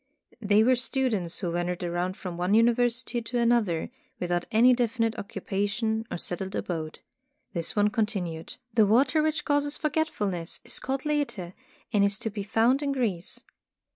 They were stu dents who wandered around from one university to another, without any definite occupation or settled abode. This one continued : ''The water which causes forgetfulness is called Lethe, and is to be found in Greece.